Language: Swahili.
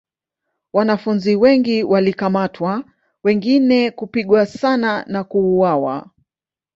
Wanafunzi wengi walikamatwa wengine kupigwa sana na kuuawa.